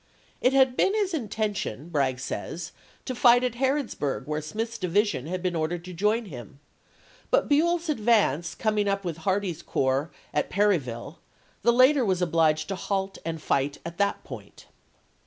It had been his intention, Bragg says, to fight at Harrodsburg where Smith's division had been ordered to join him ; but Buell's advance coming up with Hardee's corps at Perryville, the latter was obliged to halt and fight at that point.